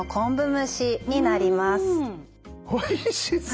おいしそうです。